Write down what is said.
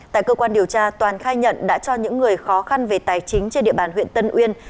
tại cơ quan điều tra toàn khai nhận đã cho những người khó khăn về tài chính trên địa bàn huyện tân uyên